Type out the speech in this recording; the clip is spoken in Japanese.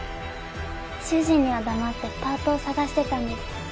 主人には黙ってパートを探してたんです。